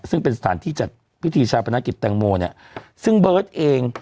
ซึ่งเป็นสถานที่จัดพิธีชาปนกิจแตงโมเนี่ยซึ่งเบิร์ตเอง